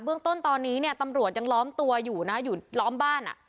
เรื่องต้นตอนนี้เนี่ยตำรวจยังล้อมตัวอยู่นะอยู่ล้อมบ้านอ่ะ